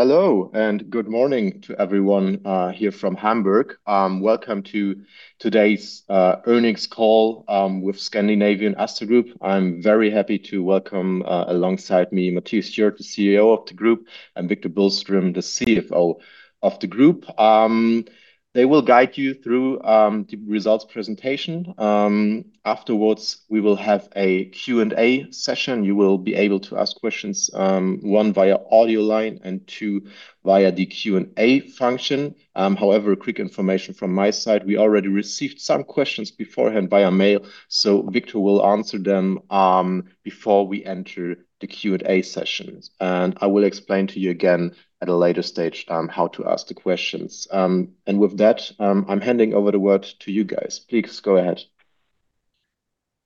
Hello, and good morning to everyone here from Hamburg. Welcome to today's earnings call with Scandinavian Astor Group. I'm very happy to welcome, alongside me, Mattias Hjorth, the CEO of the group, and Wictor Billström, the CFO of the group. They will guide you through the results presentation. Afterwards, we will have a Q&A session. You will be able to ask questions, one, via audio line, and two, via the Q&A function. However, quick information from my side, we already received some questions beforehand via mail, so Wictor will answer them before we enter the Q&A session. I will explain to you again at a later stage how to ask the questions. With that, I'm handing over the word to you guys. Please go ahead.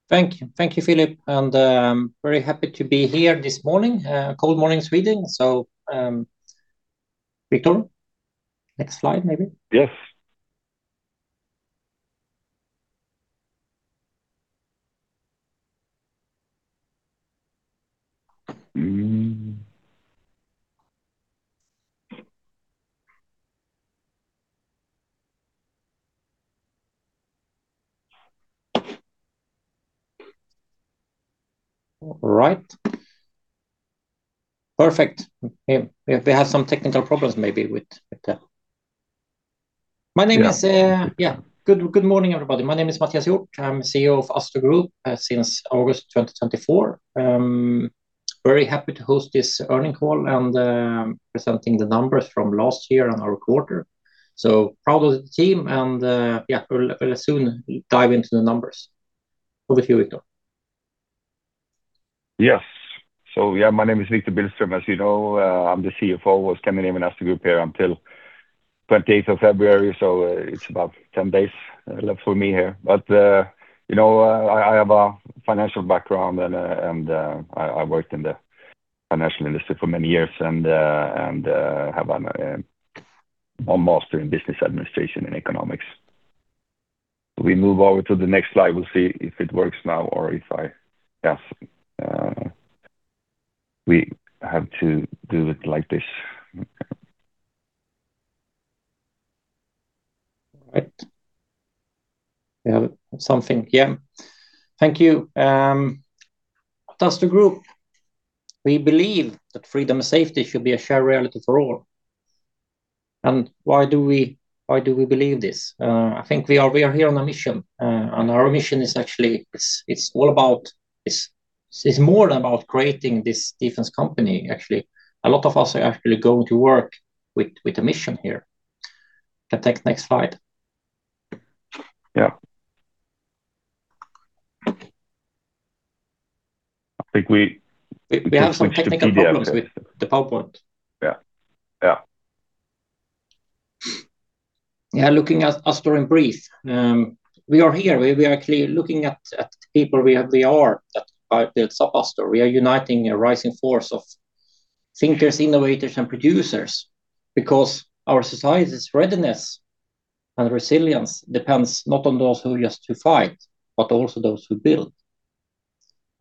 Thank you. Thank you, Philip, and, very happy to be here this morning. Cold morning, Sweden. So, Wictor, next slide, maybe? Yes. Mm. All right. Perfect. We have some technical problems maybe with the... My name is, Yeah. Yeah. Good morning, everybody. My name is Mattias Hjorth. I'm CEO of Astor Group since August 2024. Very happy to host this earnings call and presenting the numbers from last year and our quarter. So proud of the team, and yeah, we'll soon dive into the numbers. Over to you, Wictor. Yes. So yeah, my name is Wictor Billström. As you know, I'm the CFO of Scandinavian Astor Group here until 28th of February, so, it's about 10 days left for me here. But, you know, I have a financial background and, and, I worked in the financial industry for many years and, and, have a master in Business Administration and Economics. We move over to the next slide. We'll see if it works now or if I... Yes, we have to do it like this. Right. We have something. Yeah. Thank you. At Astor Group, we believe that freedom and safety should be a shared reality for all. And why do we, why do we believe this? I think we are, we are here on a mission, and our mission is actually, it's all about, it's more about creating this defense company actually. A lot of us are actually going to work with a mission here. Can take the next slide. Yeah. I think we- We have some technical problems with the PowerPoint. Yeah. Yeah. Yeah, looking at Astor in brief, we are here. We are actually looking at people we have, we are that built up Astor. We are uniting a rising force of thinkers, innovators, and producers because our society's readiness and resilience depends not on those who just to fight, but also those who build.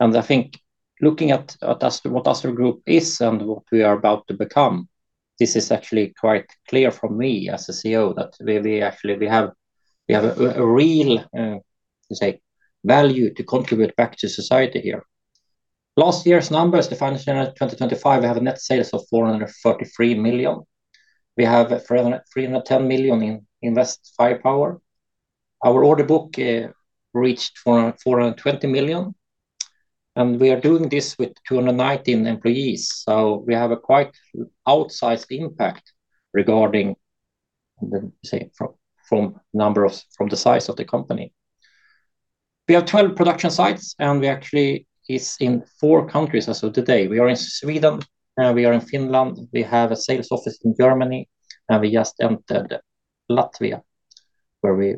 I think looking at Astor, what Astor Group is and what we are about to become, this is actually quite clear for me as a CEO, that we actually have a real, let's say, value to contribute back to society here. Last year's numbers, the financial year 2025, we have net sales of 433 million. We have 310 million in invest firepower. Our order book reached 420 million, and we are doing this with 219 employees. So we have a quite outsized impact regarding the, say, from the size of the company. We have 12 production sites, and we actually is in four countries as of today. We are in Sweden, and we are in Finland. We have a sales office in Germany, and we just entered Latvia, where we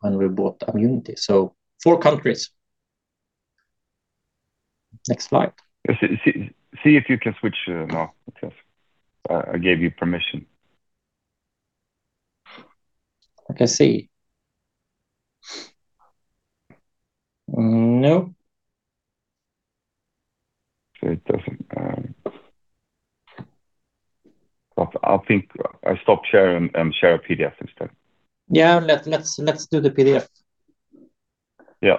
when we bought Ammunity. So four countries. Next slide. Yes. See if you can switch now, because I gave you permission. I can see. No. So it doesn't... But I'll think I stop sharing and share a PDF instead. Yeah, let's do the PDF. Yeah.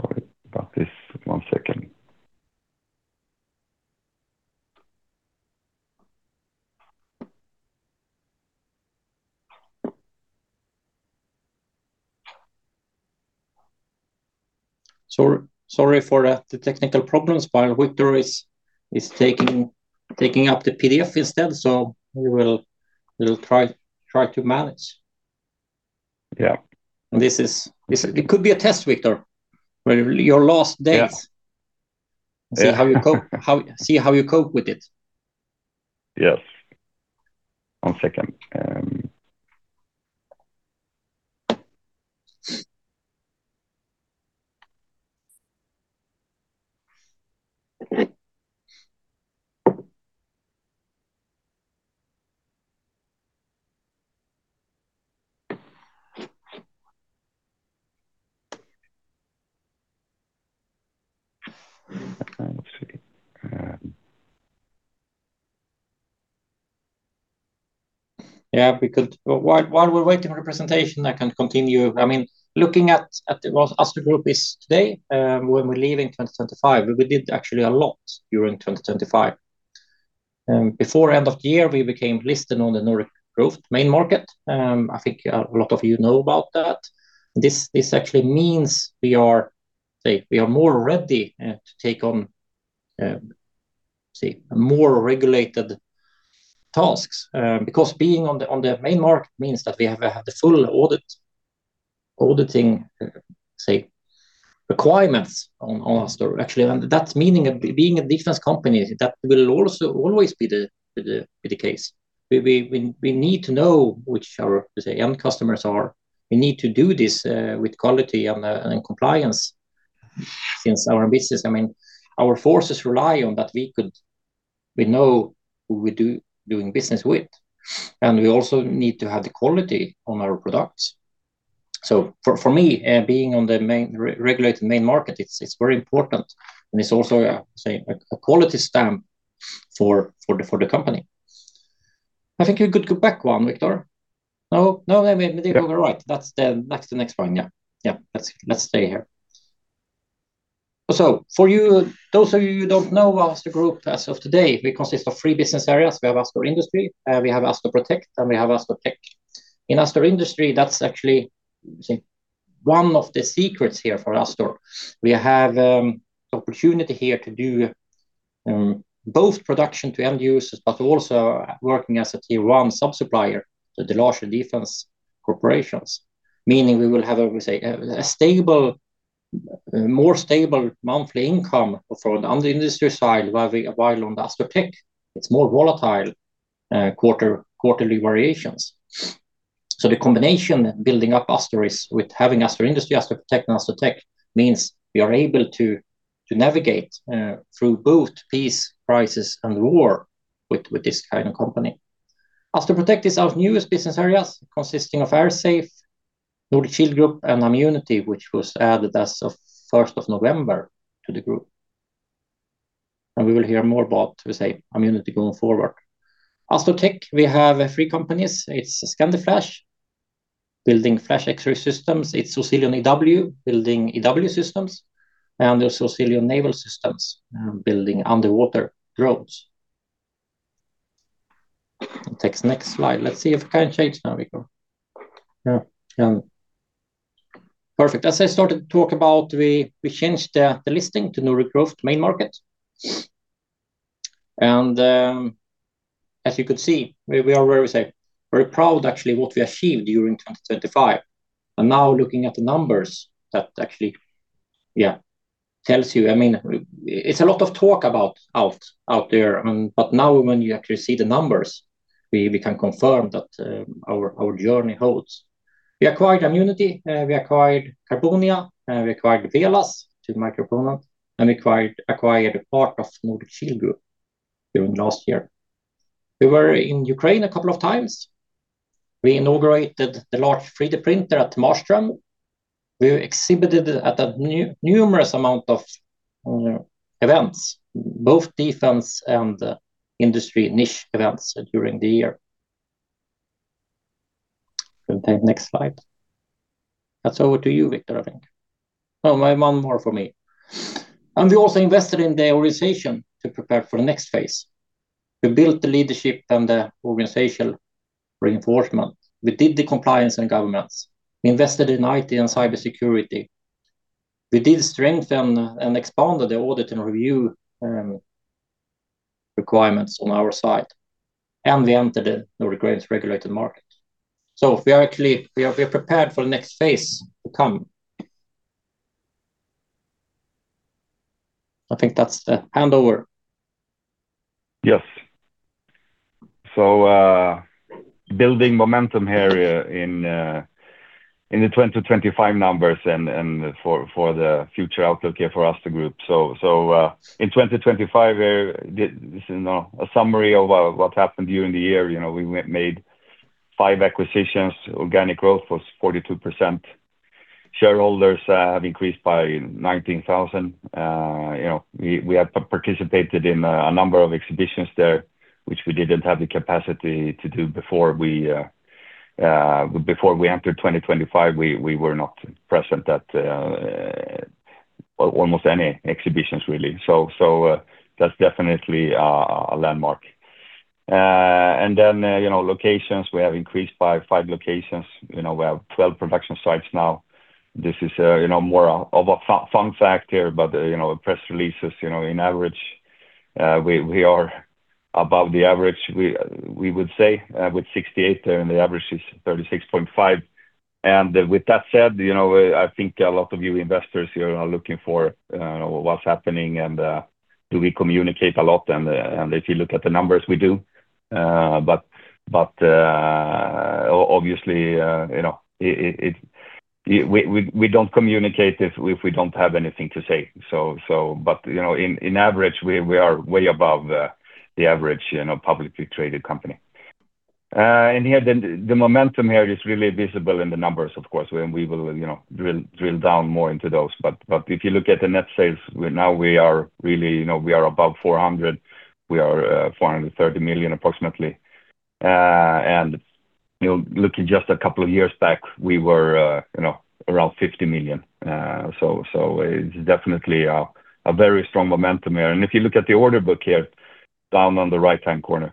Sorry about this. One second. So sorry for the technical problems, while Wictor is taking up the PDF instead. So we will, we'll try to manage. Yeah. It could be a test, Wictor, your last days. Yeah. See how you cope with it. Yes. One second. Yeah, we could. While we're waiting for the presentation, I can continue. I mean, looking at what Astor Group is today, when we leave in 2025, we did actually a lot during 2025. Before end of the year, we became listed on the Nordic Growth Main Market. I think a lot of you know about that. This actually means we are, say, we are more ready to take on, say, more regulated tasks. Because being on the main market means that we have the full auditing, say, requirements on our Astor. Actually, and that's meaning, being a defense company, that will also always be the case. We need to know what our, let's say, end customers are. We need to do this with quality and compliance, since our business, I mean, our forces rely on that we could—we know who we do business with, and we also need to have the quality on our products. So for me, being on the main regulated market, it's very important, and it's also a, say, a quality stamp for the company. I think you could go back one, Wictor. No, no, I mean, you were right. That's the next one. Yeah. Yeah, let's stay here. So for you, those of you who don't know Astor Group, as of today, we consist of three business areas. We have Astor Industry, we have Astor Protect, and we have Astor Tech. In Astor Industry, that's actually, say, one of the secrets here for Astor. We have the opportunity here to do both production to end users, but also working as a tier one sub-supplier to the larger defense corporations, meaning we will have a more stable monthly income from on the industry side, while on Astor Tech, it's more volatile, quarterly variations. So the combination building up Astor is with having Astor Industry, Astor Protect, and Astor Tech means we are able to navigate through both peace, crisis, and war with this kind of company. Astor Protect is our newest business areas, consisting of Airsafe, Nordic Shield Group, and Ammunity, which was added as of first of November to the group. And we will hear more about Ammunity going forward. Astor Tech, we have three companies. It's Scandiflash, building flash X-ray systems. It's Oscilion EW, building EW systems, and there's Oscilion Naval Systems, building underwater drones. Take the next slide. Let's see if I can change now, Wictor. Yeah, perfect. As I started to talk about, we changed the listing to NGM Main Market. As you could see, we are very, say, very proud, actually, what we achieved during 2025. Now looking at the numbers, that actually, yeah, tells you... I mean, it's a lot of talk about out there, but now when you actually see the numbers, we can confirm that our journey holds. We acquired Ammunity, we acquired Carbonia, we acquired Welas to the Mikroponent, and we acquired a part of Nordic Shield Group during last year. We were in Ukraine a couple of times. We inaugurated the large three-D printer at Marström. We exhibited at a numerous amount of events, both defense and industry niche events during the year. Next slide. That's over to you, Wictor, I think. Oh, one more for me. And we also invested in the organization to prepare for the next phase. We built the leadership and the organizational reinforcement. We did the compliance and governance. We invested in IT and cybersecurity. We did strengthen and expanded the audit and review requirements on our side, and we entered the Nordic Growth Market regulated market. So we are actually prepared for the next phase to come. I think that's the handover. Yes. So, building momentum here in the 2025 numbers and for the future outlook here for Astor Group. So, in 2025, you know, a summary of what happened during the year, you know, we made five acquisitions, organic growth was 42%. Shareholders have increased by 19,000. You know, we have participated in a number of exhibitions there, which we didn't have the capacity to do before we entered 2025, we were not present at almost any exhibitions, really. So, that's definitely a landmark. And then, you know, locations, we have increased by five locations. You know, we have 12 production sites now. This is, you know, more of a fun fact here, but, you know, press releases, you know, in average, we are above the average, we would say, with 68, and the average is 36.5. With that said, you know, I think a lot of you investors here are looking for, what's happening and, do we communicate a lot? And, and if you look at the numbers, we do. But, obviously, you know, we don't communicate if we don't have anything to say. So, but, you know, in average, we are way above the average, you know, publicly traded company. And here, the momentum here is really visible in the numbers, of course, and we will, you know, drill down more into those. But if you look at the net sales, we're now really, you know, we are above 400. We are 430 million, approximately. And, you know, looking just a couple of years back, we were, you know, around 50 million. So, it's definitely a very strong momentum here. And if you look at the order book here, down on the right-hand corner,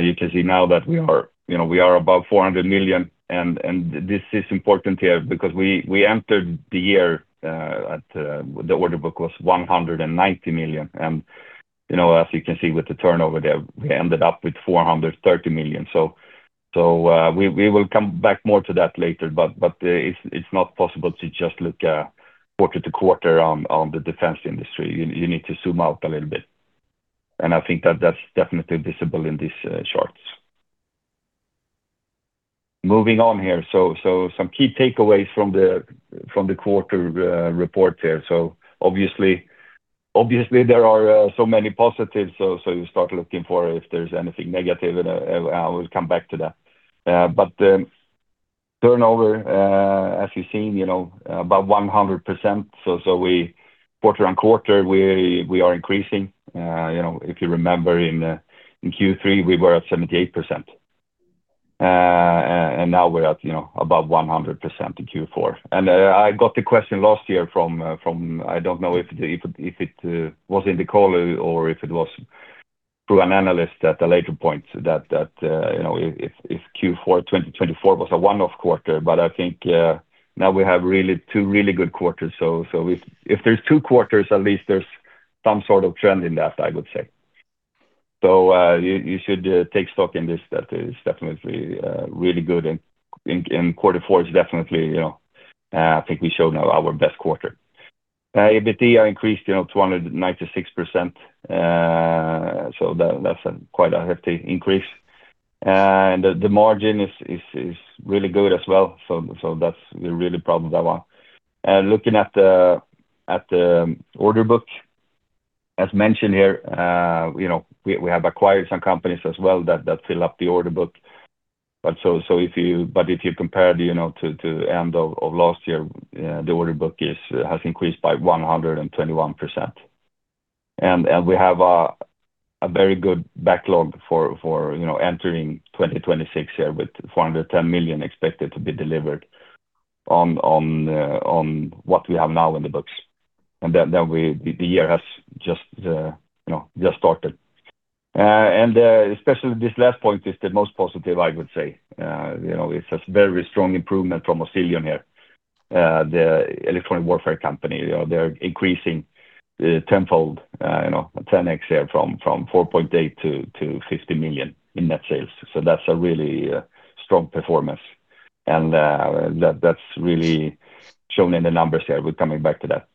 you can see now that we are, you know, we are above 400 million. And this is important here because we entered the year at the order book was 190 million. You know, as you can see with the turnover there, we ended up with 430 million. So, we will come back more to that later, but it's not possible to just look quarter-to-quarter on the defense industry. You need to zoom out a little bit, and I think that's definitely visible in these charts. Moving on here. So some key takeaways from the quarter report here. So obviously there are so many positives, so you start looking for if there's anything negative, and I will come back to that. But the turnover, as you've seen, you know, about 100%. So, quarter-on-quarter, we are increasing. You know, if you remember in Q3, we were at 78%, and now we're at, you know, above 100% in Q4. And I got the question last year from... I don't know if it was in the call or if it was to an analyst at a later point that, you know, if Q4 2024 was a one-off quarter. But I think now we have really two really good quarters. So if there's two quarters, at least there's some sort of trend in that, I would say. So you should take stock in this. That is definitely really good, and quarter four is definitely, you know, I think we showed now our best quarter. EBITDA increased, you know, 296%. So that, that's a quite hefty increase. And the margin is really good as well. So that's, we're really proud of that one. Looking at the order book, as mentioned here, you know, we have acquired some companies as well, that fill up the order book. But if you compare, you know, to the end of last year, the order book has increased by 121%. And we have a very good backlog for, you know, entering 2026 here, with 410 million expected to be delivered on what we have now in the books. Then the year has just, you know, just started. And especially this last point is the most positive, I would say. You know, it's a very strong improvement from Oscilion here, the electronic warfare company. You know, they're increasing tenfold, you know, 10x here from 4.8 million to 50 million in net sales. So that's a really strong performance. And that's really shown in the numbers here. We're coming back to that.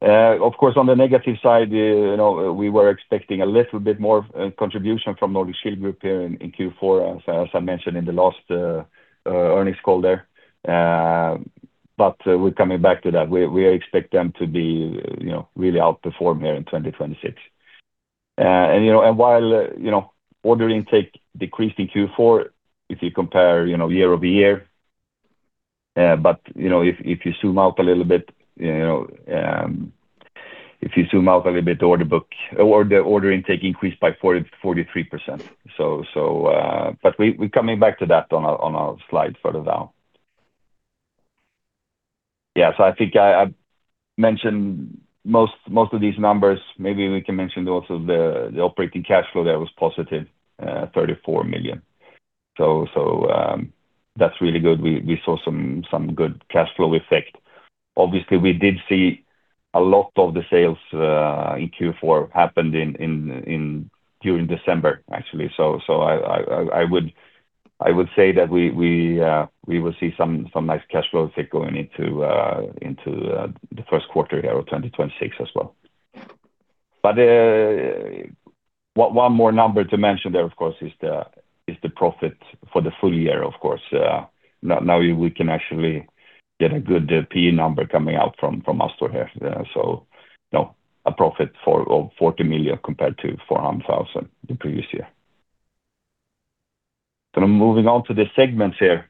Of course, on the negative side, you know, we were expecting a little bit more contribution from Nordic Shield Group here in Q4, as I mentioned in the last earnings call there. But we're coming back to that. We expect them to be, you know, really outperform here in 2026. And, you know, and while, you know, order intake decreased in Q4, if you compare, you know, year-over-year, but, you know, if, if you zoom out a little bit, you know, if you zoom out a little bit, the order book or the order intake increased by 43%. So, so, but we, we're coming back to that on a, on our slide further down. Yeah, so I think I, I mentioned most, most of these numbers. Maybe we can mention also the, the operating cash flow there was positive 34 million. So, so, that's really good. We, we saw some, some good cash flow effect. Obviously, we did see a lot of the sales in Q4 happened in, in, during December, actually. So I would say that we will see some nice cash flow going into the first quarter here of 2026 as well. But one more number to mention there, of course, is the profit for the full year, of course. Now we can actually get a good PE number coming out from Astor here. So you know, a profit of 40 million compared to 400,000 the previous year. So I'm moving on to the segments here.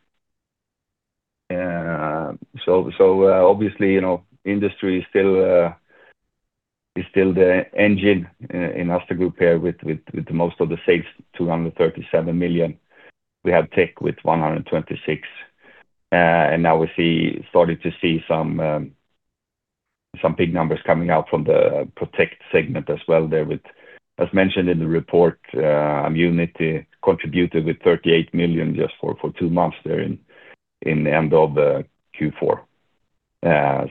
So obviously you know, industry is still the engine in Astor Group here with most of the sales, 237 million. We have tech with 126, and now we see starting to see some big numbers coming out from the protect segment as well there with. As mentioned in the report, Ammunity contributed with 38 million just for two months there in the end of the Q4.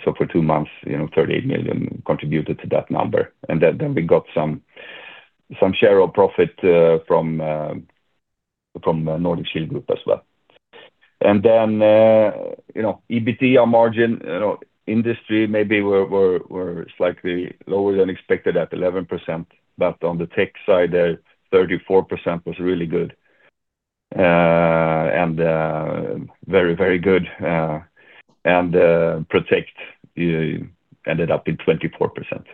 So for two months, you know, 38 million contributed to that number, and then we got some share of profit from the Nordic Shield Group as well. And then, you know, EBITDA margin, you know, industry maybe were slightly lower than expected at 11%, but on the tech side, there 34% was really good. And very, very good, and protect ended up in 24%.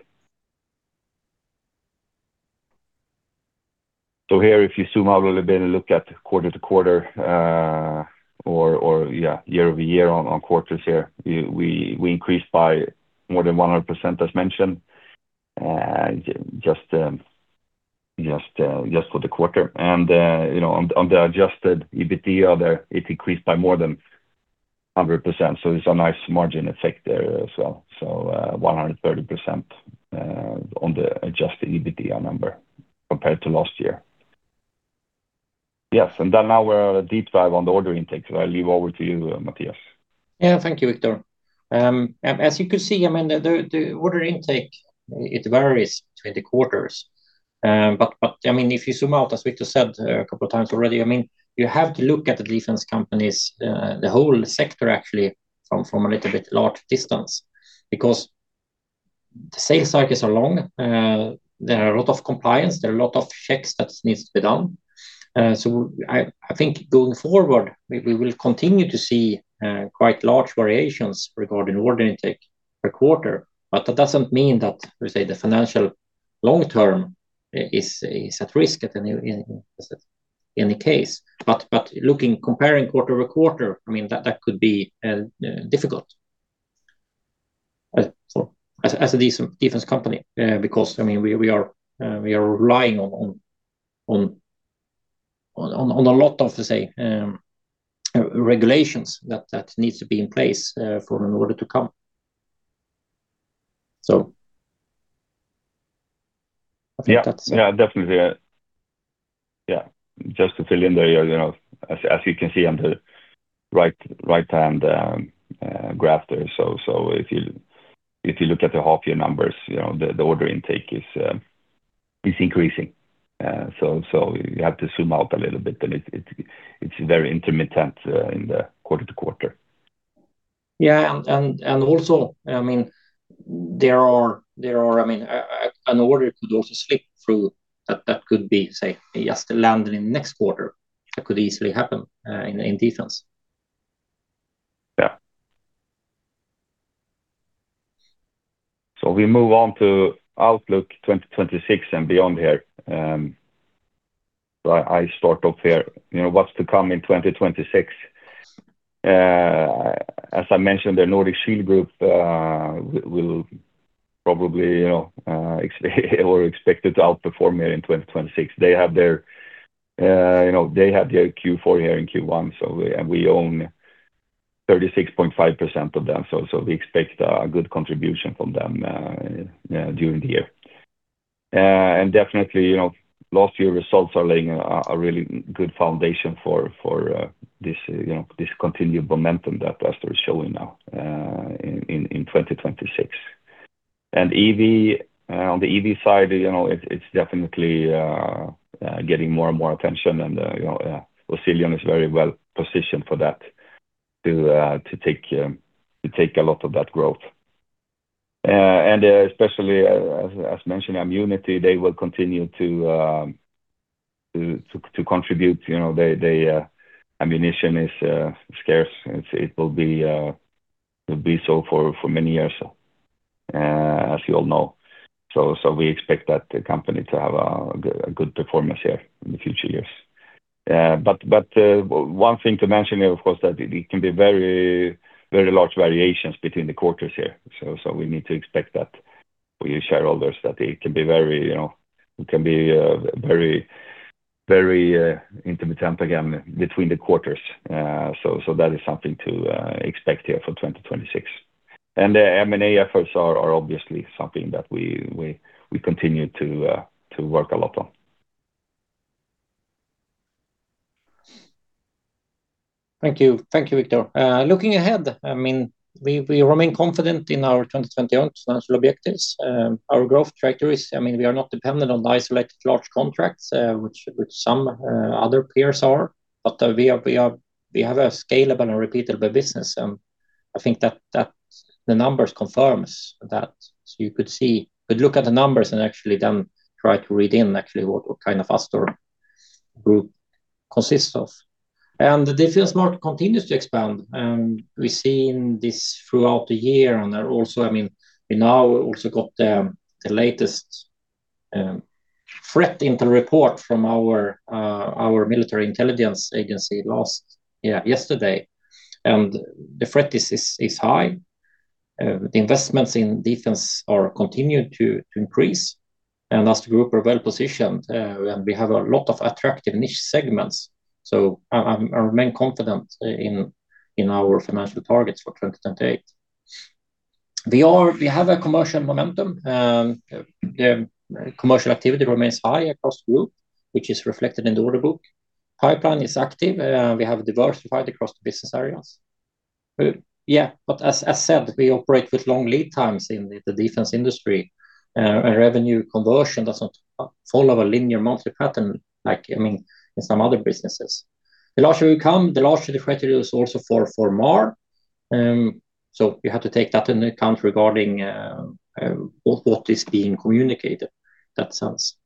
So here, if you zoom out a little bit and look at quarter-to-quarter or year-over-year on quarters here, we increased by more than 100%, as mentioned, just for the quarter. You know, on the adjusted EBITDA there, it increased by more than 100%, so it's a nice margin effect there as well. So, 130% on the Adjusted EBITDA number compared to last year. Yes, and then now we'll do a deep dive on the order intake. So I'll hand over to you, Mattias. Yeah. Thank you, Wictor. And as you can see, I mean, the order intake, it varies between the quarters. But I mean, if you zoom out, as Wictor said a couple of times already, I mean, you have to look at the defense companies, the whole sector actually from a little bit large distance, because the sales cycles are long. There are a lot of compliance, there are a lot of checks that needs to be done. So I think going forward, we will continue to see quite large variations regarding order intake per quarter, but that doesn't mean that we say the financial long term is at risk at any case. But looking, comparing quarter-over-quarter, I mean, that could be difficult. As a decent defense company, because, I mean, we are relying on a lot of the same regulations that needs to be in place for an order to come. So I think that's- Yeah. Definitely, yeah. Just to fill in there, you know, as you can see on the right, right-hand graph there. So if you look at the half year numbers, you know, the order intake is increasing. So you have to zoom out a little bit, and it, it's very intermittent in the quarter to quarter. Yeah. And also, I mean, there are—I mean, an order could also slip through that, that could be, say, just landing in next quarter. That could easily happen in defense. Yeah. So we move on to Outlook 2026 and beyond here. So I start off here, you know, what's to come in 2026? As I mentioned, the Nordic Shield Group will probably, you know, or expected to outperform here in 2026. They have their Q4 here in Q1, so we, and we own 36.5% of them. So we expect a good contribution from them during the year. And definitely, you know, last year results are laying a really good foundation for this, you know, this continued momentum that Astor is showing now in 2026. And EW, on the EW side, you know, it's definitely getting more and more attention and, you know, Oscilion is very well positioned for that to take a lot of that growth. And, especially as mentioned, Ammunity, they will continue to contribute, you know, they, they, ammunition is scarce. It will be so for many years, as you all know. So, we expect that the company to have a good performance here in the future years. But, one thing to mention here, of course, that it can be very large variations between the quarters here. So we need to expect that for your shareholders, that it can be very, you know, it can be very, very intermittent again between the quarters. So that is something to expect here for 2026. And the M&A efforts are obviously something that we continue to work a lot on. Thank you. Thank you, Wictor. Looking ahead, I mean, we, we remain confident in our 2021 financial objectives. Our growth trajectories, I mean, we are not dependent on the isolated large contracts, which some other peers are, but we have a scalable and repeatable business, and I think that the numbers confirms that. So you could look at the numbers and actually then try to read in actually what kind of Astor Group consists of. And the defense market continues to expand, and we've seen this throughout the year. And there also, I mean, we now also got the latest threat intel report from our our military intelligence agency last, yeah, yesterday. And the threat is high. The investments in defense are continuing to increase, and as the group are well positioned, and we have a lot of attractive niche segments. So I remain confident in our financial targets for 2028. We have a commercial momentum. The commercial activity remains high across group, which is reflected in the order book. Pipeline is active, we have diversified across the business areas. But as said, we operate with long lead times in the defense industry, and revenue conversion doesn't follow a linear monthly pattern, like, I mean, in some other businesses. The larger we come, the larger the threat is also for more... So we have to take that into account regarding what is being communicated in that sense.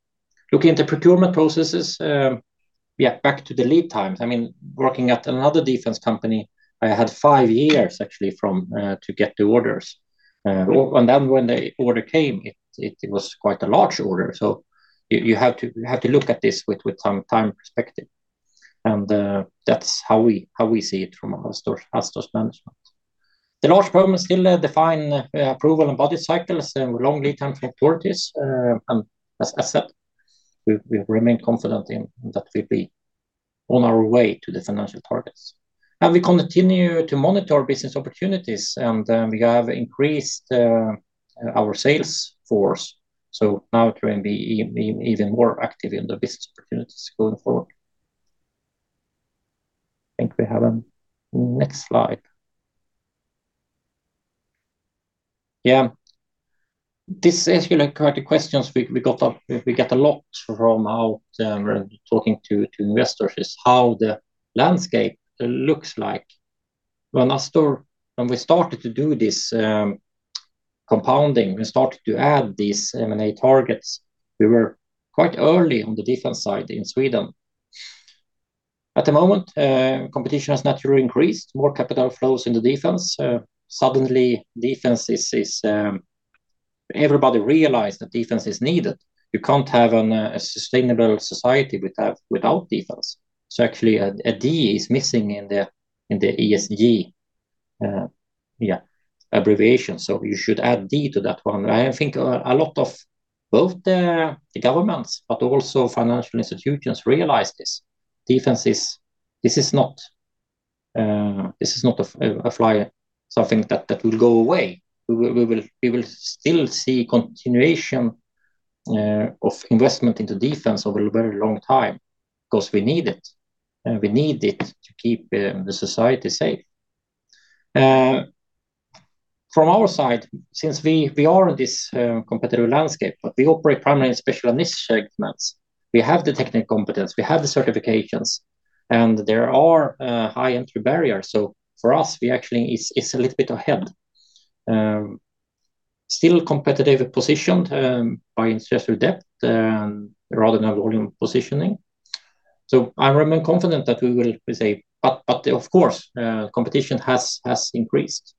Looking at the procurement processes, yeah, back to the lead times. I mean, working at another defense company, I had five years actually to get the orders. And then when the order came, it was quite a large order. So you have to look at this with some time perspective. That's how we see it from Astor management. The large program is still in definition, approval and budgetary cycles and long lead time from authorities. As said, we remain confident in that we'll be on our way to the financial targets. We continue to monitor our business opportunities, and we have increased our sales force. So now it can be even more active in the business opportunities going forward. I think we have a next slide. Yeah. This is actually quite the questions we got, we get a lot from our talking to investors, is how the landscape looks like. When Astor, when we started to do this compounding, we started to add these M&A targets, we were quite early on the defense side in Sweden. At the moment, competition has naturally increased, more capital flows in the defense. Suddenly defense is, is Everybody realized that defense is needed. You can't have a sustainable society without defense. So actually, a D is missing in the ESG, yeah, abbreviation, so you should add D to that one. I think a lot of both the governments, but also financial institutions realize this. Defense is not a fly-by-night something that will go away. We will still see continuation of investment into defense over a very long time because we need it, and we need it to keep the society safe. From our side, since we are in this competitive landscape, but we operate primarily in special and niche segments. We have the technical competence, we have the certifications, and there are high entry barriers. So for us, we actually is a little bit ahead. Still competitive positioned by industrial depth rather than volume positioning. So I remain confident that we will be safe, but of course, competition has increased,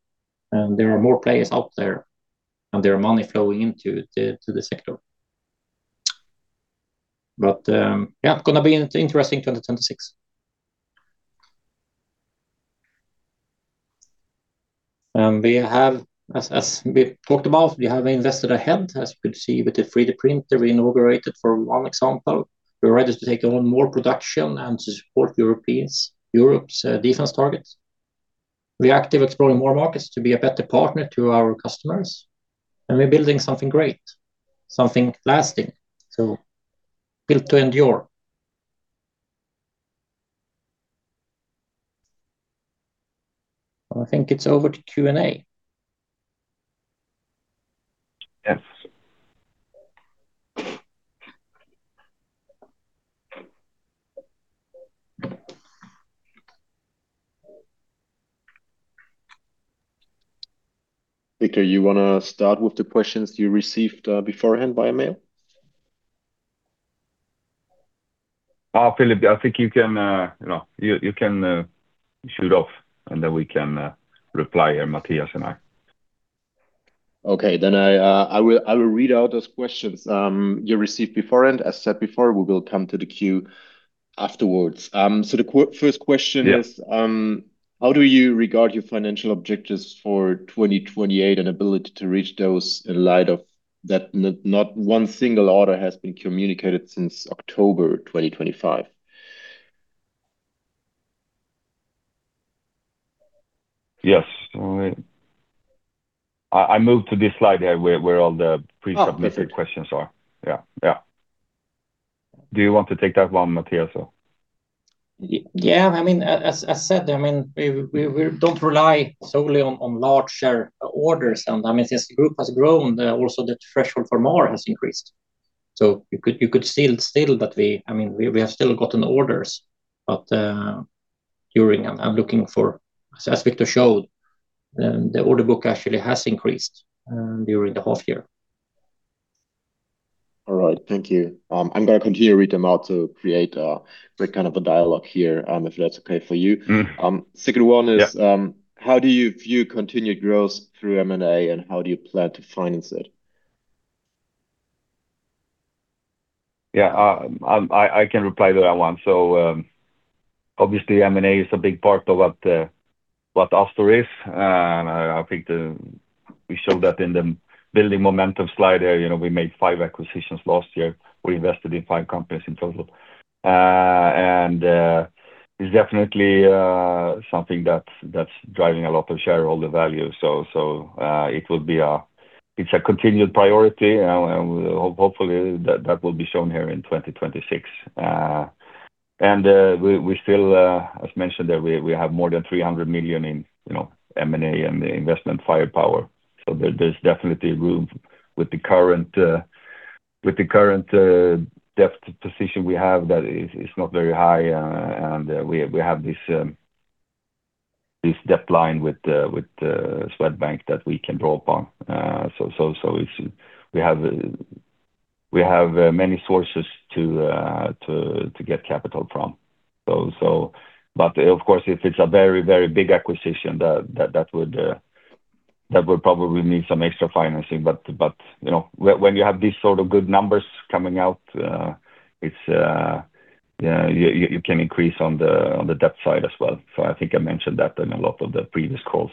and there are more players out there, and there is money flowing into the sector. But, yeah, going to be an interesting 2026. And we have, as we talked about, we have invested ahead, as you could see, with the 3D printer we inaugurated, for one example. We're ready to take on more production and to support Europe's defense targets. We're active exploring more markets to be a better partner to our customers, and we're building something great, something lasting, so built to endure. I think it's over to Q&A. Yes. Wictor, you want to start with the questions you received beforehand by email? Philip, I think you can, you know, shoot off, and then we can reply, Mattias and I. Okay. Then I will read out those questions you received beforehand. As said before, we will come to the queue afterwards. So the first question is- Yeah ... how do you regard your financial objectives for 2028 and ability to reach those in light of that not one single order has been communicated since October 2025? Yes. So I moved to this slide here where all the pre-submitted- Oh, okay... questions are. Yeah, yeah. Do you want to take that one, Mattias, or? Yeah, I mean, as I said, I mean, we don't rely solely on larger orders. I mean, since the group has grown, also the threshold for more has increased. So you could still, but we—I mean, we have still gotten orders, but during... I'm looking for, as Wictor showed, the order book actually has increased during the half year. All right. Thank you. I'm going to continue to read them out to create a great kind of a dialogue here, if that's okay for you. Mm-hmm. Second one is- Yeah... how do you view continued growth through M&A, and how do you plan to finance it? Yeah, I can reply to that one. So, obviously, M&A is a big part of what Astor is, and I think we showed that in the building momentum slide here. You know, we made five acquisitions last year. We invested in five companies in total. And, it's definitely something that's driving a lot of shareholder value. So, it's a continued priority, and hopefully that will be shown here in 2026. And, we still, as mentioned, we have more than 300 million in M&A and investment firepower. So there, there's definitely room with the current... With the current debt position we have, that is not very high, and we have this debt line with the Swedbank that we can draw upon. So we have many sources to get capital from. So but of course, if it's a very, very big acquisition, that would probably need some extra financing. But you know, when you have these sort of good numbers coming out, it's yeah you can increase on the debt side as well. So I think I mentioned that in a lot of the previous calls.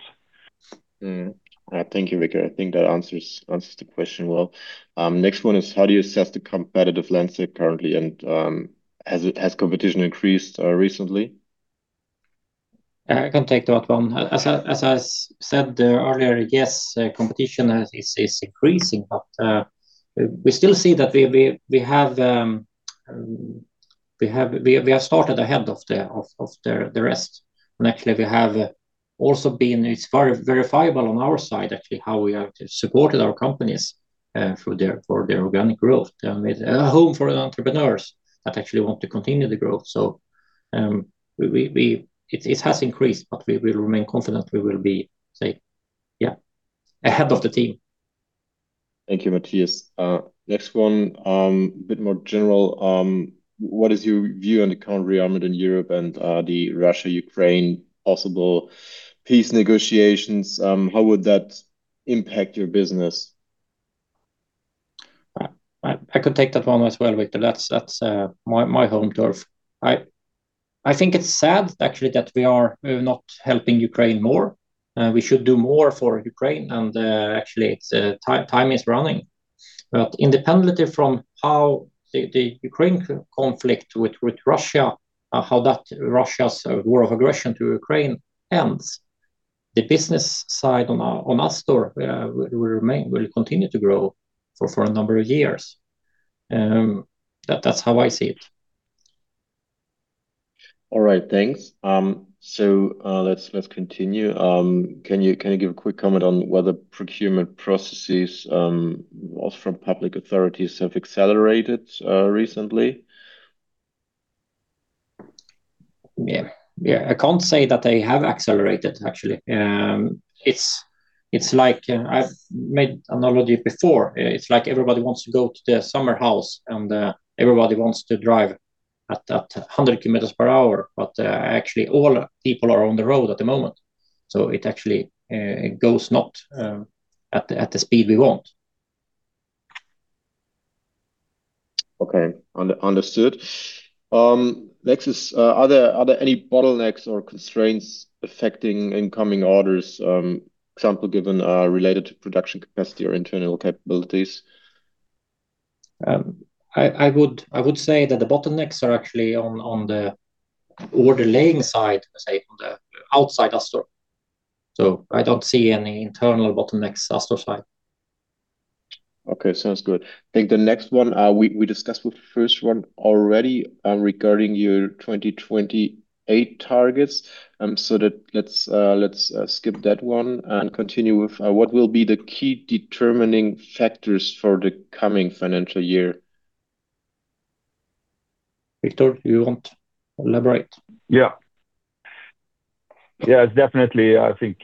Thank you, Wictor. I think that answers the question well. Next one is, how do you assess the competitive landscape currently, and has competition increased recently? I can take that one. As I said earlier, yes, competition is increasing, but we still see that we have started ahead of the rest. And actually, we have also been... It's very verifiable on our side, actually, how we have supported our companies for their organic growth, and with a home for entrepreneurs that actually want to continue the growth. So, it has increased, but we remain confident we will be safe. Yeah, ahead of the team. Thank you, Mattias. Next one, a bit more general. What is your view on the current rearmament in Europe and the Russia-Ukraine possible peace negotiations? How would that impact your business? I could take that one as well, Wictor. That's my home turf. I think it's sad actually that we are not helping Ukraine more. We should do more for Ukraine, and actually it's time is running. But independently from how the Ukraine conflict with Russia how that Russia's war of aggression to Ukraine ends, the business side on Astor will remain will continue to grow for a number of years. That's how I see it. All right. Thanks. So, let's continue. Can you give a quick comment on whether procurement processes, also from public authorities, have accelerated, recently? Yeah. Yeah, I can't say that they have accelerated, actually. It's, it's like, I've made analogy before. It's like everybody wants to go to the summer house, and everybody wants to drive at 100 km per hour, but actually, all people are on the road at the moment, so it actually goes not at the speed we want. Okay, understood. Next, are there any bottlenecks or constraints affecting incoming orders, example given, related to production capacity or internal capabilities? I would say that the bottlenecks are actually on the order laying side, say, on the outside Astor. So I don't see any internal bottlenecks Astor side. Okay, sounds good. I think the next one, we discussed with the first one already, regarding your 2028 targets, so let's skip that one and continue with what will be the key determining factors for the coming financial year? Wictor, you want elaborate? Yeah. Yeah, it's definitely, I think,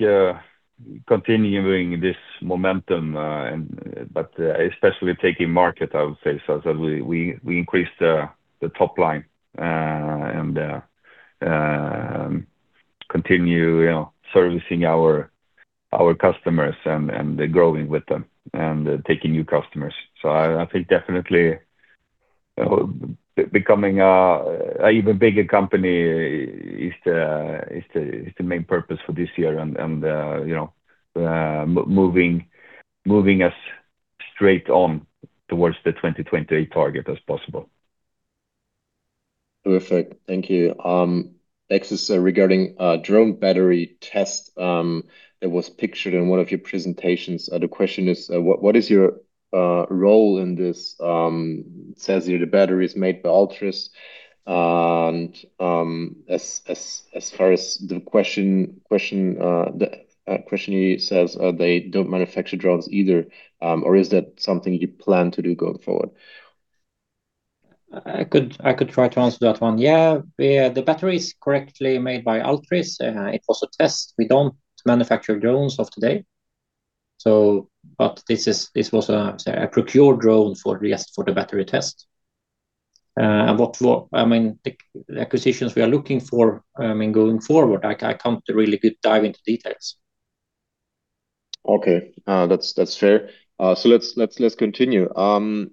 continuing this momentum, and but especially taking market, I would say. So we increased the top line, and continue, you know, servicing our customers and growing with them and taking new customers. So I think definitely, becoming a even bigger company is the main purpose for this year and, you know, moving us straight on towards the 2028 target as possible. Perfect. Thank you. Next is regarding drone battery test that was pictured in one of your presentations. The question is, what is your role in this? Says here, the battery is made by Altris, and, as far as the question, he says, they don't manufacture drones either, or is that something you plan to do going forward? I could try to answer that one. Yeah, yeah, the battery is correctly made by Altris. It was a test. We don't manufacture drones of today, so but this was a procured drone for, yes, for the battery test. I mean, the acquisitions we are looking for, I mean, going forward, I can't really dive into details. Okay, that's fair. So let's continue.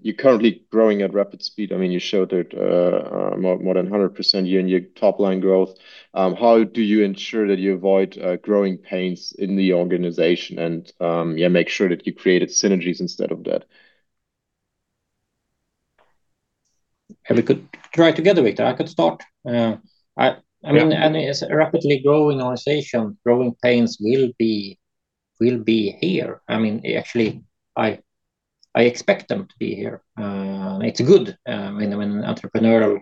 You're currently growing at rapid speed. I mean, you showed it, more than 100% year-on-year top line growth. How do you ensure that you avoid growing pains in the organization and, yeah, make sure that you created synergies instead of that? We could try together, Wictor. I could start. Yeah. I mean, as a rapidly growing organization, growing pains will be here. I mean, actually, I expect them to be here. It's good when entrepreneurial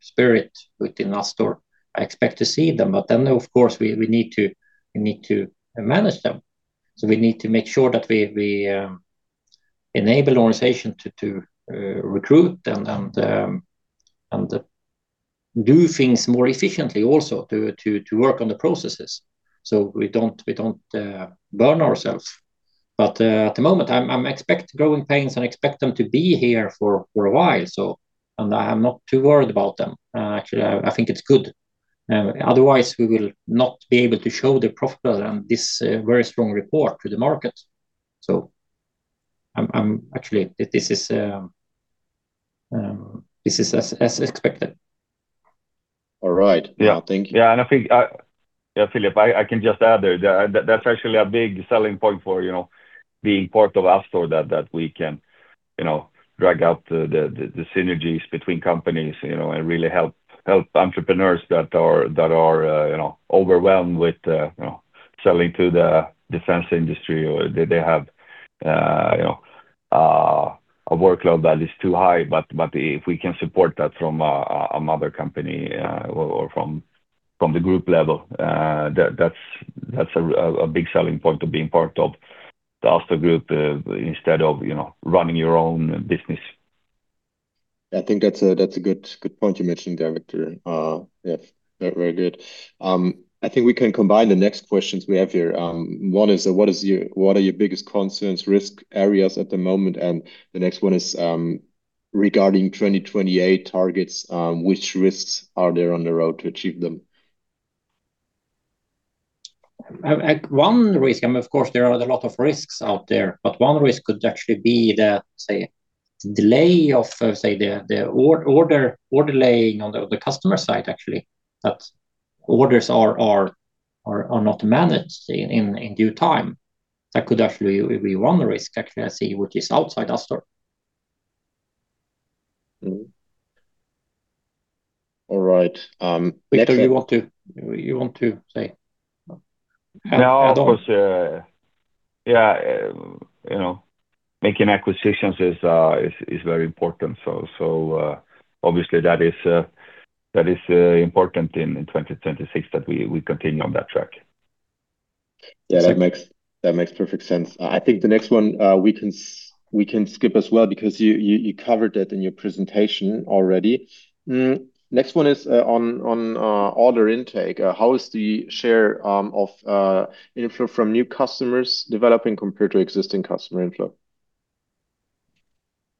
spirit within Astor, I expect to see them. But then, of course, we need to manage them. So we need to make sure that we enable organization to recruit and do things more efficiently also to work on the processes. So we don't burn ourselves. But at the moment, I'm expecting growing pains and expect them to be here for a while, so and I'm not too worried about them. Actually, I think it's good, otherwise we will not be able to show the profit and this very strong report to the market. I'm actually, this is as expected. All right. Yeah, thank you. Yeah, and I think, yeah, Philip, I can just add there that that's actually a big selling point for, you know, being part of Astor that we can, you know, drag out the synergies between companies, you know, and really help entrepreneurs that are, you know, overwhelmed with, you know, selling to the defense industry or they have, you know, a workload that is too high. But if we can support that from a mother company, or from the group level, that that's a big selling point of being part of the Astor Group, instead of, you know, running your own business. I think that's a, that's a good, good point you mentioned there, Wictor. Yeah, very, very good. I think we can combine the next questions we have here. One is, what is your—what are your biggest concerns, risk areas at the moment? And the next one is, regarding 2028 targets, which risks are there on the road to achieve them? One risk, I mean, of course, there are a lot of risks out there, but one risk could actually be the, say, delay of, say, the order laying on the customer side, actually, that orders are not managed in due time. That could actually be one risk, actually, I see, which is outside Astor. Mm-hmm. All right, Wictor, you want to, you want to say? Yeah, of course, yeah, you know, making acquisitions is very important. So, obviously, that is important in 2026 that we continue on that track. Yeah, that makes, that makes perfect sense. I think the next one, we can skip as well, because you covered that in your presentation already. Next one is on order intake. How is the share of inflow from new customers developing compared to existing customer inflow?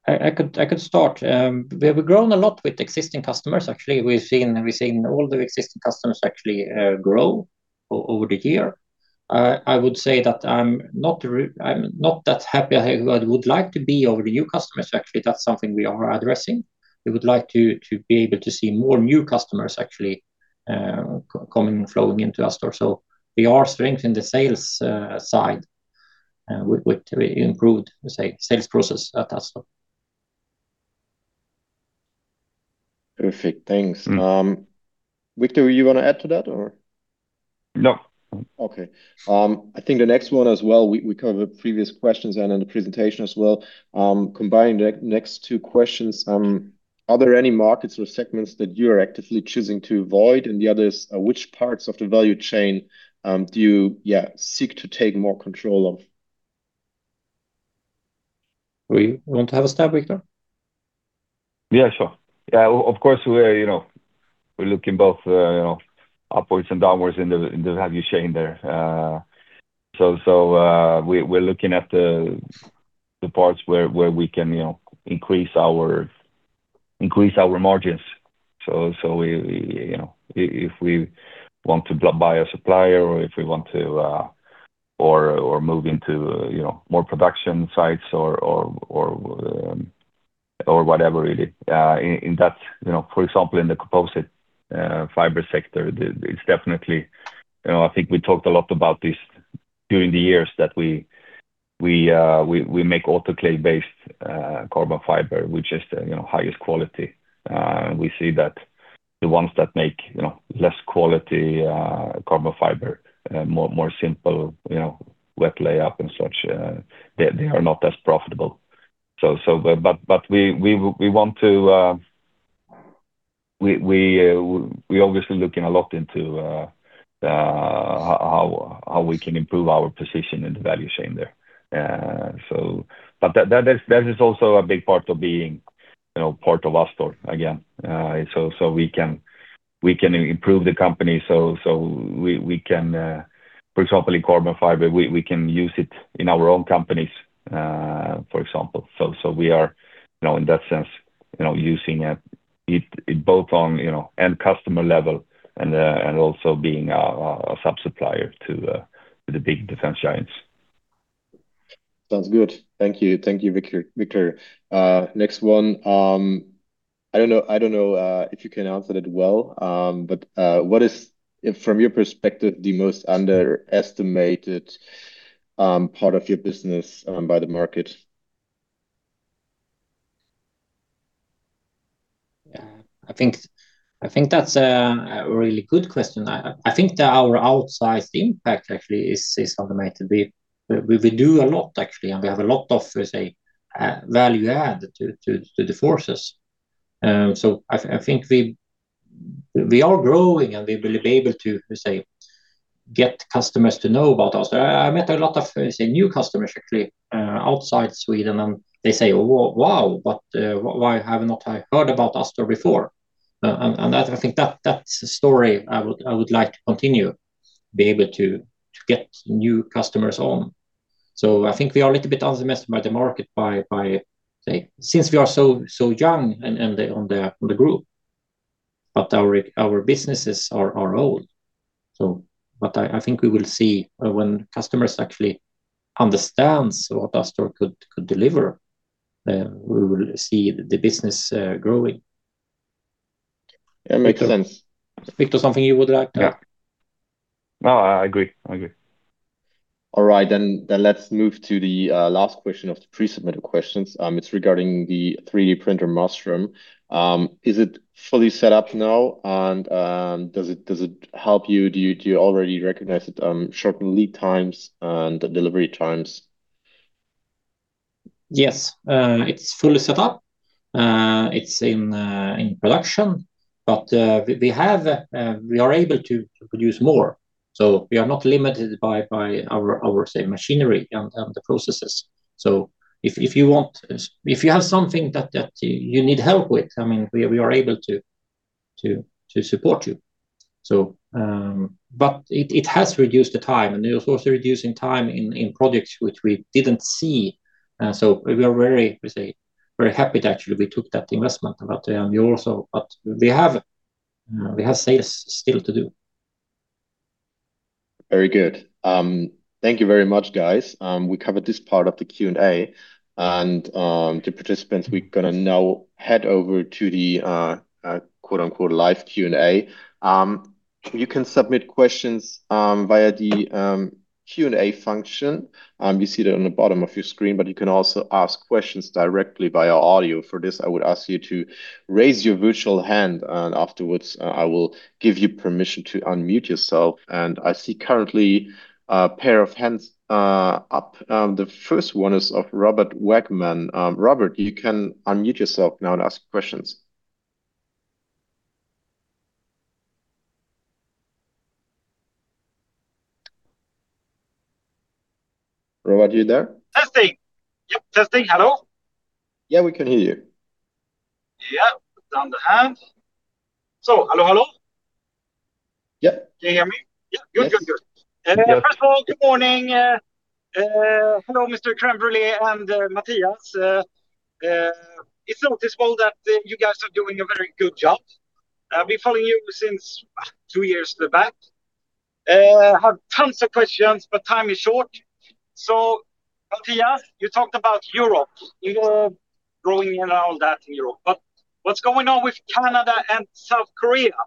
I could start. We have grown a lot with existing customers. Actually, we've seen all the existing customers actually grow over the year. I would say that I'm not that happy I would like to be over the new customers. Actually, that's something we are addressing. We would like to be able to see more new customers actually coming and flowing into Astor. So we are strengthening the sales side with improved, say, sales process at Astor. Perfect. Thanks. Mm-hmm. Wictor, you want to add to that or? No. Okay. I think the next one as well, we covered previous questions and in the presentation as well. Combining the next two questions, are there any markets or segments that you are actively choosing to avoid? And the other is, which parts of the value chain, do you, yeah, seek to take more control of? We want to have a stab, Wictor? Yeah, sure. Yeah, of course, we're, you know, we're looking both, you know, upwards and downwards in the, in the value chain there. So, we're looking at the parts where we can, you know, increase our margins. So, we, you know, if we want to buy a supplier or if we want to, or move into, you know, more production sites or, or whatever, really, in that, you know, for example, in the composite fiber sector, it's definitely—You know, I think we talked a lot about this during the years that we make autoclave-based carbon fiber, which is, you know, highest quality. We see that the ones that make, you know, less quality, carbon fiber, more, more simple, you know, wet lay up and such, they, they are not as profitable. So, so but, but, but we, we, we want to, we, we, we obviously looking a lot into, how, how we can improve our position in the value chain there. So but that, that is, that is also a big part of being, you know, part of Astor again. So, so we can, we can improve the company, so, so we, we can, for example, in carbon fiber, we, we can use it in our own companies, for example. So we are, you know, in that sense, you know, using it both on, you know, end customer level and also being a sub-supplier to the big defense giants. Sounds good. Thank you. Thank you, Wictor, Wictor. Next one. I don't know, I don't know if you can answer that well, but what is, from your perspective, the most underestimated part of your business by the market? Yeah, I think that's a really good question. I think that our outsized impact actually is ultimately we do a lot, actually, and we have a lot of, say, value add to the forces. So I think we are growing and we will be able to say get customers to know about us. I met a lot of, say, new customers actually outside Sweden, and they say, "Wow, but why have I not heard about Astor before?" And that I think that's a story I would like to continue, be able to get new customers on. So I think we are a little bit underestimated by the market, by say, since we are so young and on the group, but our businesses are old. So but I think we will see when customers actually understands what Astor could deliver, we will see the business growing. It makes sense. Wictor, something you would like to add? Yeah. No, I agree. I agree. All right, then let's move to the last question of the pre-submitted questions. It's regarding the 3D printer, Marström. Is it fully set up now? And, does it help you? Do you already recognize it shorten lead times and delivery times? Yes, it's fully set up. It's in production, but we are able to produce more. So we are not limited by our say machinery and the processes. So if you want, if you have something that you need help with, I mean, we are able to support you. So, but it has reduced the time, and it has also reduced in time in projects which we didn't see. So we are very, we say, very happy that actually we took that investment, but we also... But we have sales still to do. Very good. Thank you very much, guys. We covered this part of the Q&A, and the participants, we're going to now head over to the quote, unquote, "live Q&A." You can submit questions via the Q&A function. You see that on the bottom of your screen, but you can also ask questions directly via audio. For this, I would ask you to raise your virtual hand, and afterwards, I will give you permission to unmute yourself. I see currently a pair of hands up. The first one is of Robert Waagman. Robert, you can unmute yourself now and ask questions. Robert, are you there? Testing. Yep, testing. Hello? Yeah, we can hear you. Yeah, down the line. So, hello, hello? Yeah. Can you hear me? Yes. Yeah. Good, good, good. Yeah. First of all, good morning. Hello, Mr. [Wictor] and Mattias. It's noticeable that you guys are doing a very good job. I've been following you since two years back. I have tons of questions, but time is short. Mattias, you talked about Europe, you are growing and all that in Europe, but what's going on with Canada and South Korea?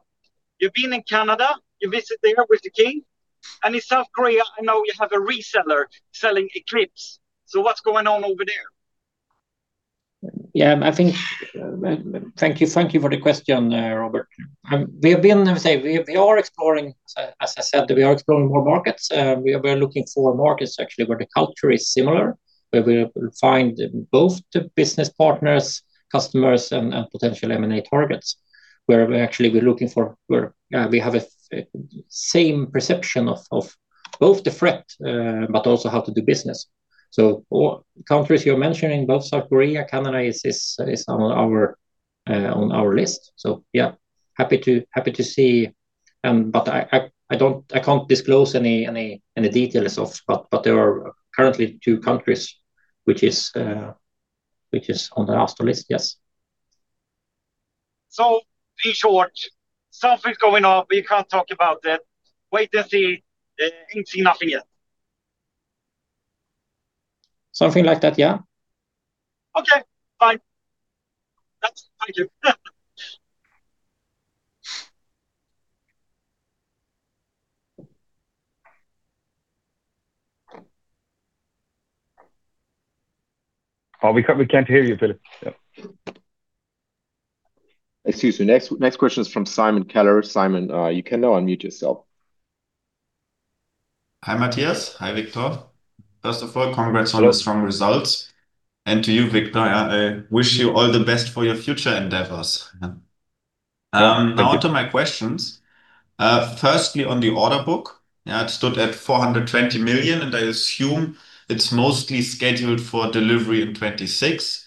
You've been in Canada, you visit there with the king, and in South Korea, I know you have a reseller selling Eclipse. So what's going on over there? Yeah, I think... Thank you, thank you for the question, Robert. We have been, let me say, we are exploring, as I said, we are exploring more markets. We are, we're looking for markets actually, where the culture is similar, where we find both the business partners, customers, and potential M&A targets, where we actually we're looking for, where we have a same perception of both the threat, but also how to do business. So all countries you're mentioning, both South Korea, Canada, is on our list. So yeah, happy to, happy to see. But I don't, I can't disclose any details of... But there are currently two countries, which is on the Astor list. Yes. In short, something's going on, but you can't talk about it. Wait and see, ain't see nothing yet. Something like that, yeah. Okay, fine. That's thank you. Oh, we can't, we can't hear you, Philip. Yeah. Excuse me. Next, next question is from Simon Keller. Simon, you can now unmute yourself. Hi, Mattias. Hi, Wictor. First of all, congrats- Hello... on the strong results, and to you, Wictor, I wish you all the best for your future endeavors. Thank you. Now to my questions. Firstly, on the order book, yeah, it stood at 420 million, and I assume it's mostly scheduled for delivery in 2026.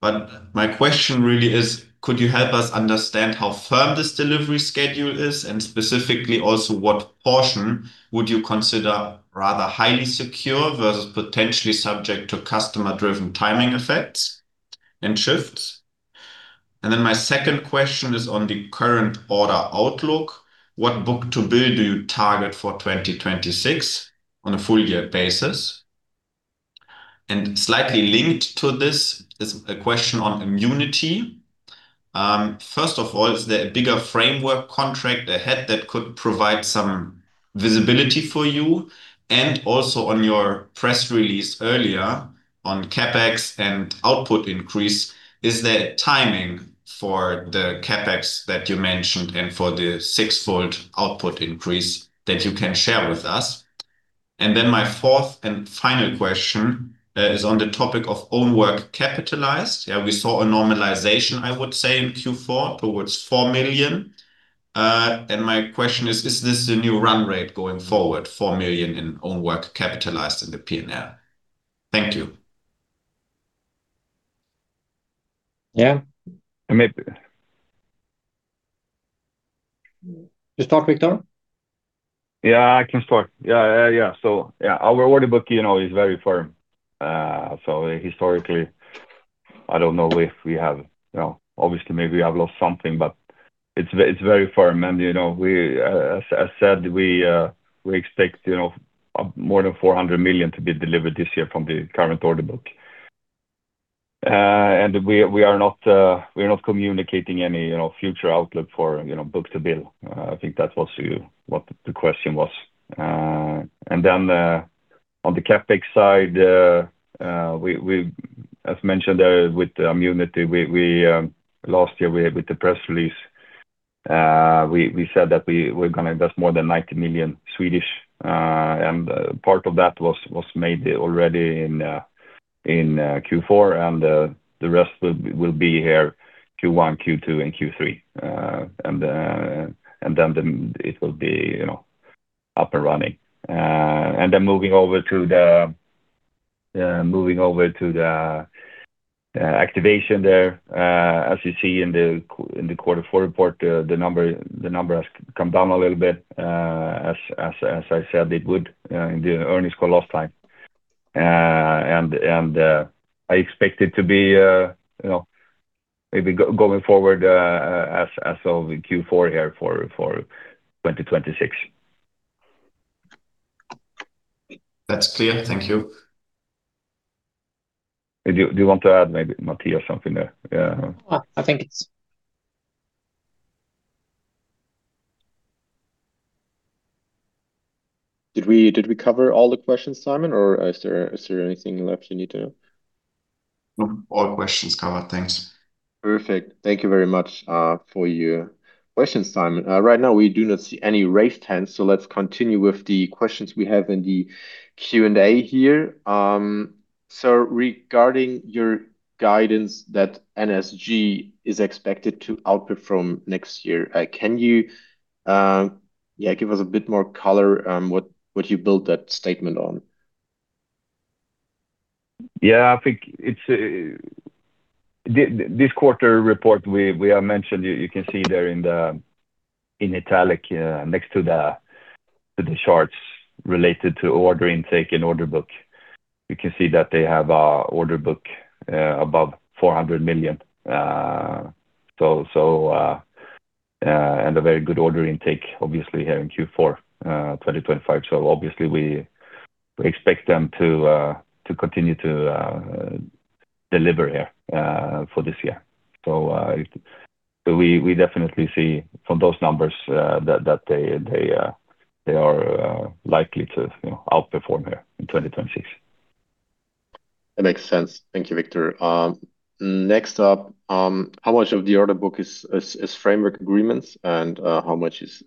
But my question really is: could you help us understand how firm this delivery schedule is? And specifically also, what portion would you consider rather highly secure versus potentially subject to customer-driven timing effects and shifts? And then my second question is on the current order outlook. What book-to-bill do you target for 2026 on a full year basis? And slightly linked to this is a question on Ammunity. First of all, is there a bigger framework contract ahead that could provide some visibility for you? Also on your press release earlier on CapEx and output increase, is there timing for the CapEx that you mentioned and for the sixfold output increase that you can share with us? And then my fourth and final question is on the topic of own work capitalized. Yeah, we saw a normalization, I would say, in Q4 towards 4 million. And my question is: Is this the new run rate going forward, 4 million in own work capitalized in the P&L? Thank you. Yeah, and maybe- You start, Wictor? Yeah, I can start. Yeah, yeah, yeah. So yeah, our order book, you know, is very firm. So historically, I don't know if we have, you know, obviously, maybe we have lost something, but it's very firm. And, you know, we, as said, we expect, you know, more than 400 million to be delivered this year from the current order book. And we are not communicating any, you know, future outlook for, you know, book-to-bill. I think that was what the question was. And then, on the CapEx side, we, as mentioned, with Ammunity, we, last year, we, with the press release, we said that we're going to invest more than 90 million. And part of that was made already in Q4, and the rest will be here, Q1, Q2, and Q3. And then it will be, you know, up and running. And then moving over to the activation there, as you see in the quarter four report, the number has come down a little bit, as I said it would in the earnings call last time. And I expect it to be, you know, maybe going forward, as of Q4 here for 2026. That's clear. Thank you. Do you want to add maybe, Mattias, something there? Yeah. I think it's- Did we cover all the questions, Simon, or is there anything left you need to? No. All questions covered. Thanks. Perfect. Thank you very much for your questions, Simon. Right now, we do not see any raised hands, so let's continue with the questions we have in the Q&A here. So regarding your guidance that NSG is expected to output from next year, can you yeah, give us a bit more color on what what you built that statement on? Yeah, I think it's... This quarter report, we, we have mentioned, you, you can see there in the- in italic, next to the, to the charts related to order intake and order book. You can see that they have an order book above 400 million. So, so, and a very good order intake, obviously, here in Q4 2025. So obviously, we, we expect them to continue to deliver here for this year. So, so we, we definitely see from those numbers, that, that they, they are likely to, you know, outperform here in 2026. That makes sense. Thank you, Wictor. Next up, how much of the order book is framework agreements and how much is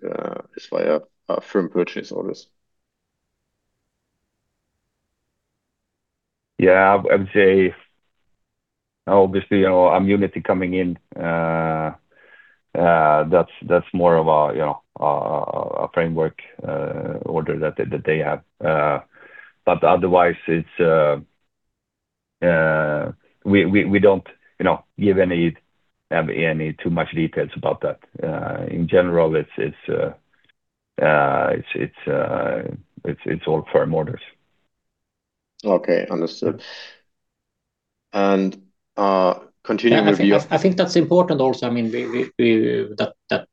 via firm purchase orders? Yeah, I would say, obviously, you know, Ammunity coming in, that's more of a, you know, a framework order that they have. But otherwise, it's, we don't, you know, give any too much details about that. In general, it's all firm orders. Okay. Understood. And, continuing with your- I think that's important also. I mean, that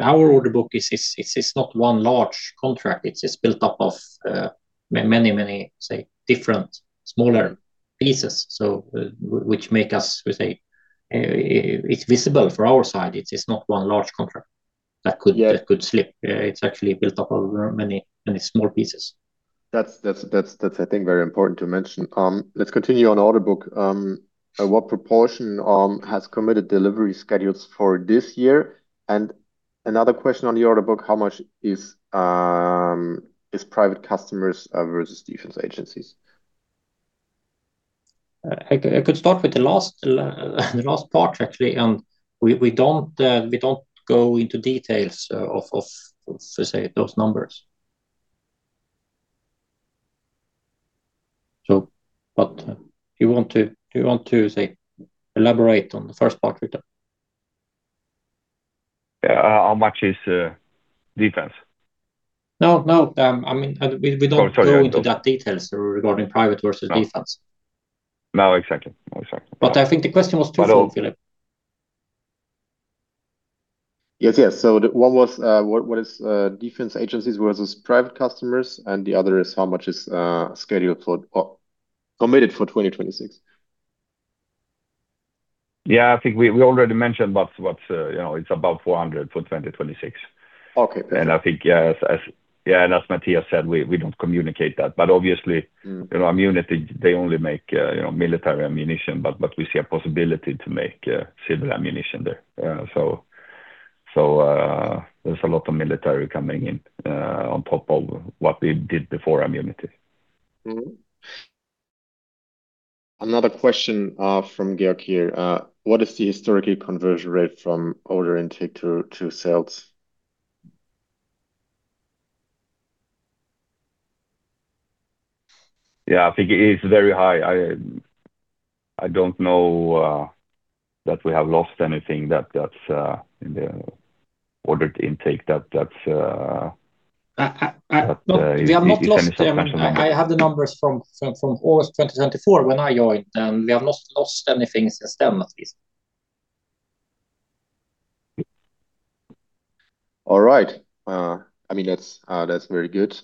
our order book is not one large contract. It's built up of many, many, say, different smaller pieces, so which make us, we say, it's visible for our side. It's not one large contract that could- Yeah... that could slip. It's actually built up over many, many small pieces. That's, I think, very important to mention. Let's continue on order book. What proportion has committed delivery schedules for this year? And another question on the order book, how much is private customers versus defense agencies? I could start with the last part, actually. We don't go into details of, let's say, those numbers. But you want to say, elaborate on the first part, Wictor? Yeah. How much is defense? No, no, I mean, we, we don't- Sorry... go into that details regarding private versus defense. No, exactly. Exactly. But I think the question was too slow, Philip. Yes, yes. So the one was, what, what is defense agencies versus private customers, and the other is how much is scheduled for or committed for 2026. Yeah, I think we already mentioned what's, you know, it's above 400 for 2026. Okay. I think, yeah, as Mattias said, we don't communicate that. But obviously- Mm... you know, Ammunity, they only make, you know, military ammunition, but we see a possibility to make civil ammunition there. So, there's a lot of military coming in on top of what we did before ammunition. Mm-hmm. Another question from Georg here. "What is the historical conversion rate from order intake to sales? Yeah, I think it is very high. I, I don't know that we have lost anything that, that's, that- We have not lost them. I have the numbers from August 2024 when I joined, and we have not lost anything since then, at least. All right. I mean, that's very good.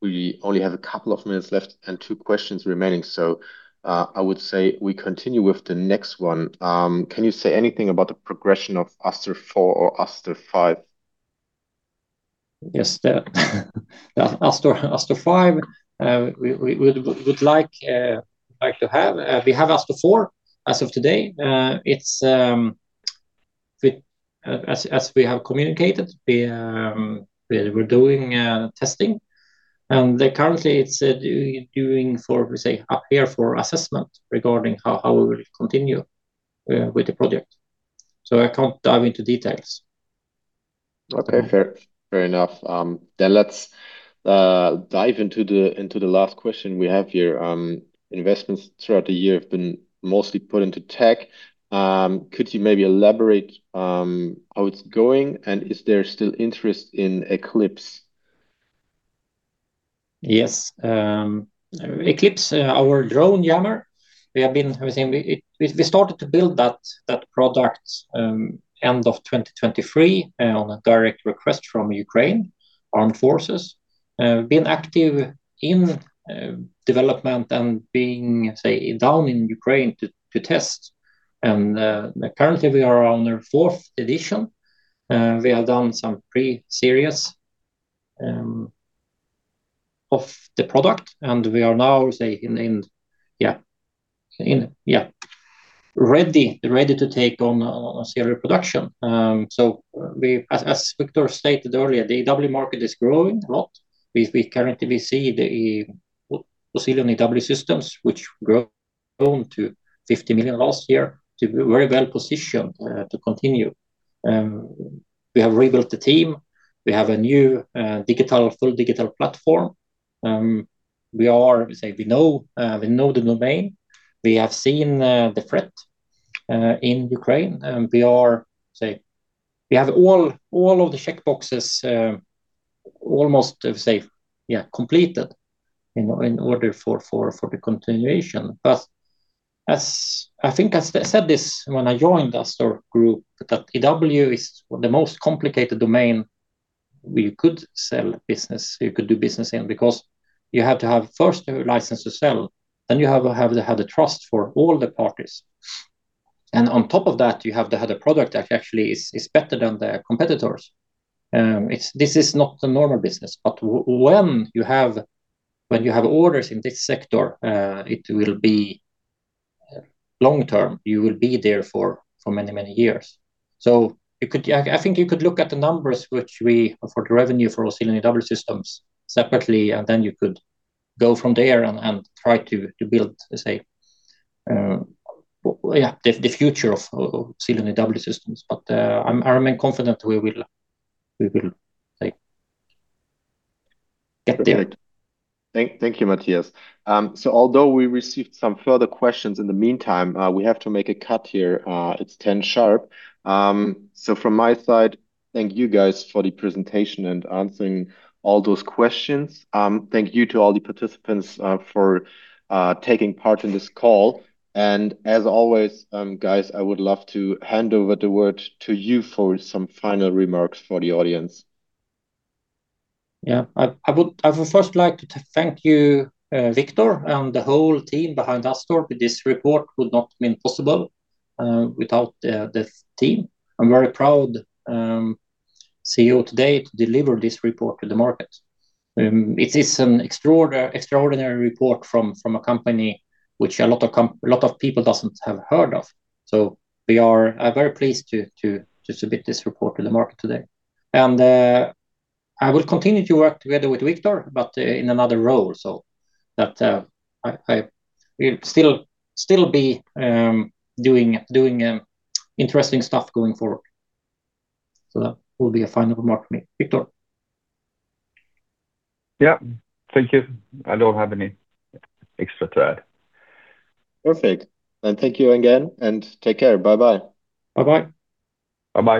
We only have a couple of minutes left and two questions remaining, so I would say we continue with the next one. Can you say anything about the progression of Astor IV or Astor V? Yes, the Astor V, we would like to have, we have Astor IV as of today. It's as we have communicated, we're doing testing, and currently it's doing for, we say, up here for assessment regarding how we will continue with the project. So I can't dive into details. Okay, fair, fair enough. Then let's dive into the last question we have here. Investments throughout the year have been mostly put into tech. Could you maybe elaborate how it's going, and is there still interest in Eclipse? Yes. Eclipse, our drone jammer, we have been, I think we started to build that product end of 2023 on a direct request from Ukraine Armed Forces. Been active in development and say down in Ukraine to test. And currently we are on the fourth edition. We have done some pre-series of the product, and we are now say ready to take on a serial production. So as Wictor stated earlier, the EW market is growing a lot. We currently see the Oscilion EW Systems, which grown to 50 million last year, to be very well positioned to continue. We have rebuilt the team. We have a new digital full digital platform. We are, we say we know, we know the domain. We have seen the threat in Ukraine, and we are, say, we have all, all of the check boxes, almost, say, yeah, completed, you know, in order for the continuation. But as I think I said this when I joined Astor Group, that EW is the most complicated domain we could sell business- you could do business in, because you have to have first a license to sell, then you have to have the trust for all the parties. And on top of that, you have to have the product that actually is better than the competitors. It's- this is not the normal business, but when you have orders in this sector, it will be long term. You will be there for, for many, many years. So you could... I think you could look at the numbers which we, for the revenue for Oscilion EW Systems separately, and then you could go from there and try to build, let's say, yeah, the future of Oscilion EW Systems. But I'm confident we will, like, get there. Thank you, Mattias. So although we received some further questions in the meantime, we have to make a cut here. It's 10:00 sharp. So from my side, thank you guys for the presentation and answering all those questions. Thank you to all the participants for taking part in this call. And as always, guys, I would love to hand over the word to you for some final remarks for the audience. Yeah. I would first like to thank you, Wictor, and the whole team behind Astor. This report would not have been possible without the team. I'm very proud CEO today to deliver this report to the market. It is an extraordinary report from a company which a lot of people haven't heard of. So we are very pleased to submit this report to the market today. I will continue to work together with Wictor, but in another role, so we'll still be doing interesting stuff going forward. So that will be a final remark from me. Wictor? Yeah. Thank you. I don't have any extra to add. Perfect. And thank you again, and take care. Bye-bye. Bye-bye. Bye-bye.